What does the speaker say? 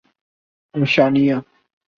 Oceania